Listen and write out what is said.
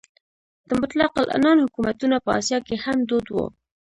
د مطلق العنان حکومتونه په اسیا کې هم دود وو.